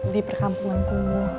di perkampungan kumuh